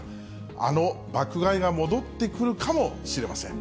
あの爆買いが戻ってくるかもしれません。